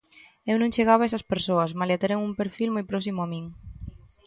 Eu non chegaba a esas persoas, malia teren un perfil moi próximo a min.